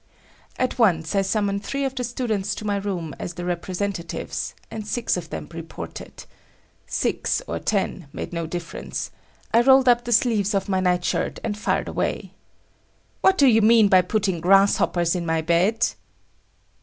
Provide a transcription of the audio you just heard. At once I summoned three of the students to my room as the "representatives," and six of them reported. Six or ten made no difference; I rolled up the sleeves of my night shirt and fired away. "What do you mean by putting grasshoppers in my bed!"